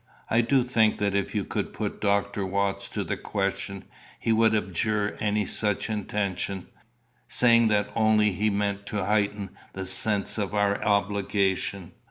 I do think that if you could put Dr. Watts to the question, he would abjure any such intention, saying that only he meant to heighten the sense of our obligation.